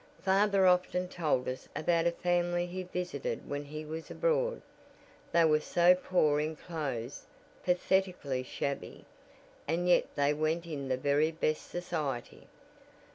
Father often told us about a family he visited when he was abroad. They were so poor in clothes pathetically shabby, and yet they went in the very best society.